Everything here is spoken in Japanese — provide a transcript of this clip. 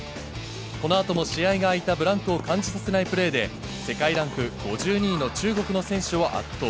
このあとも試合が開いたブランクを感じさせないプレーで、世界ランク５２位の中国の選手を圧倒。